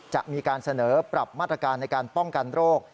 จะมีการเสนอปรับมาตรการในการป้องกันโรค